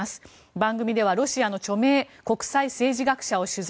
番組ではロシアの著名国際政治学者を取材。